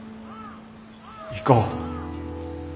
行こう。